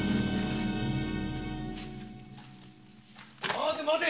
待て待て！